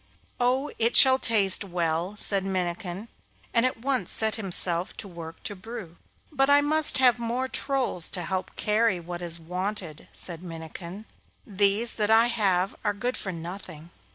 'Oh, it shall taste well,' said Minnikin, and at once set himself to work to brew. 'But I must have more trolls to help to carry what is wanted,' said Minnikin; 'these that I have are good for nothing.